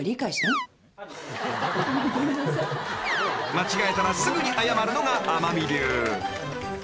［間違えたらすぐに謝るのが天海流］